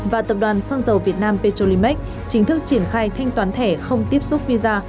và tập đoàn xăng dầu việt nam petrolimax chính thức triển khai thanh toán thẻ không tiếp xúc visa